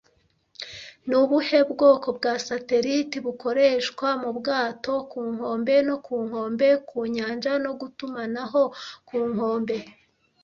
Ni ubuhe bwoko bwa satelite bukoreshwa mu bwato-ku-nkombe no ku nkombe-ku-nyanja no gutumanaho ku nkombe